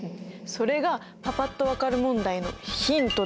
それがパパっと分かる問題のヒントだったのです。